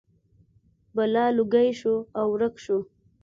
بلا لوګی شو او ورک شو.